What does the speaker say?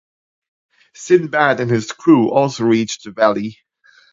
Sinbad and his crew also reach the valley.